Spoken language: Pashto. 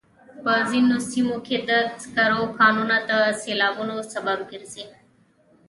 په ځینو سیمو کې د سکرو کانونه د سیلابونو سبب ګرځي.